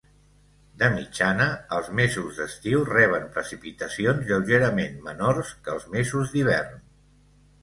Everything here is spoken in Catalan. De mitjana, els mesos d'estiu reben precipitacions lleugerament menors que els mesos d'hivern.